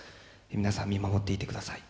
皆さん見守っていてください。